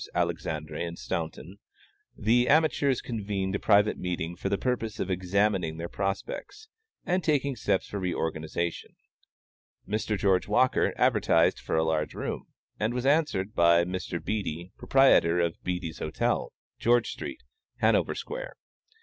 Alexandre and Staunton, the amateurs convened a private meeting for the purpose of examining their prospects and taking steps for reorganization. Mr. George Walker advertised for a large room, and was answered by Mr. Beattie, proprietor of Beattie's Hotel, George street, Hanover square.